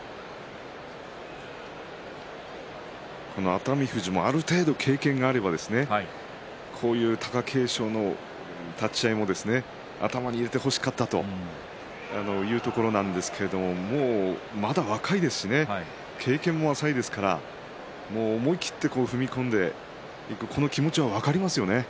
熱海富士もある程度経験があればこういう貴景勝の立ち合いも頭に入れてほしかったというところなんですけれどもまだ若いですしね経験も浅いですから思い切って踏み込んでいく、この気持ちは分かりますよね。